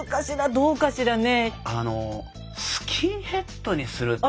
どうかしらね。